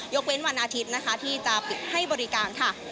เว้นวันอาทิตย์นะคะที่จะปิดให้บริการค่ะ